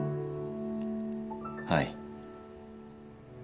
はい。